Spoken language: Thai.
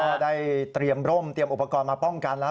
ได้เตรียมร่มเตรียมอุปกรณ์มาป้องกันแล้ว